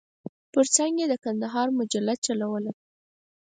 پر څنګ یې د کندهار مجله چلوله.